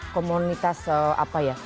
komunitas apa ya